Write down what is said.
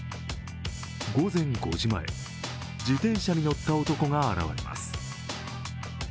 午前５時前、自転車に乗った男が現れます。